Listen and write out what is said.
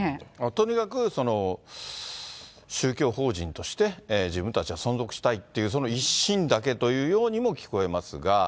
とにかく宗教法人として、自分たちは存続したいっていう、その一心だけというようにも聞こえますが。